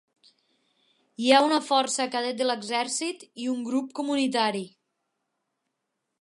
Hi ha una Força Cadet de l'Exèrcit i un grup comunitari.